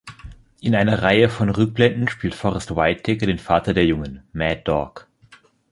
In einer Reihe von Rückblenden spielt Forest Whitaker den Vater der Jungen, Mad Dog.